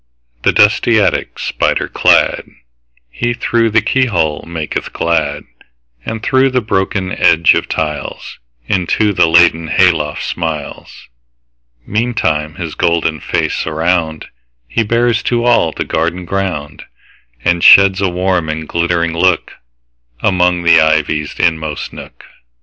The dusty attic spider cladHe, through the keyhole, maketh glad; And through the broken edge of tiles, Into the laddered hay loft smiles. Meantime his golden face aroundHe bears to all the garden ground, And sheds a warm and glittering lookAmong the ivy's inmost nook.